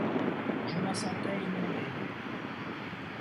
Je m’en sentais inondé !